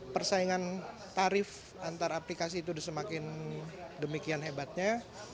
persaingan tarif antar aplikasi itu semakin demikian hebatnya